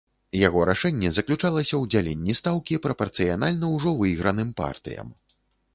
Яго рашэнне заключалася ў дзяленні стаўкі прапарцыянальна ўжо выйграным партыям.